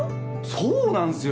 そうなんですよ。